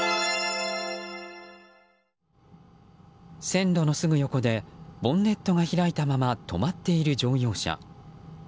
線路のすぐ横でボンネットが開いたまま止まっている乗用車。